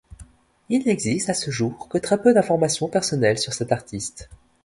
Il n'existe, à ce jour, que très peu d'information personnelle sur cet artiste.